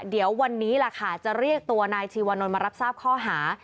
เดี๋ยววันนี้ล่ะค่ะจะเรียกตัวนายชีวานนท์มารับทราบข้อหา